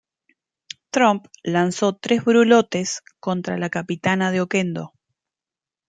Tromp lanzó tres brulotes contra la capitana de Oquendo.